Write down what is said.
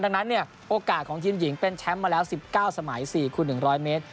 ดังนั้นโอกาสของทีมหญิงเป็นแชมป์มาแล้ว๑๙สมัย๔คูณ๑๐๐เมตร